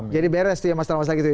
jadi beres masalah masalah gitu